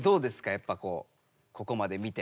やっぱこうここまで見て。